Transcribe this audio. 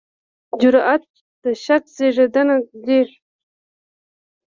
جرئت د شک زېږنده دی.